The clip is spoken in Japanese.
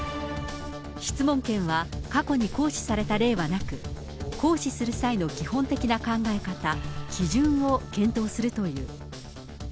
質問権は、過去に行使された例はなく、行使する際の基本的な考え方、基準を検討するという。